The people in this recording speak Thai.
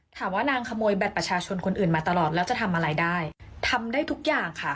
ถามว่านางขโมยบัตรประชาชนคนอื่นมาตลอดแล้วจะทำอะไรได้ทำได้ทุกอย่างค่ะ